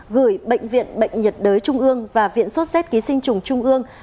gửi bệnh viện bệnh nhiệt đới trung ương và viện sốt xét ký sinh trùng trung ương